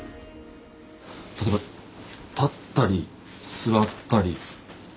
例えば立ったり座ったり歩いたり。